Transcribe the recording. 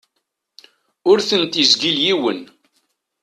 Ur ten-izgil yiwen.